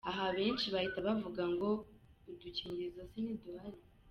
Aha abenshi bahita bavuga ngo udukingirizo se ntiduhari ?